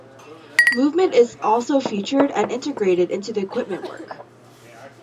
Movement is also featured and integrated into the equipment work.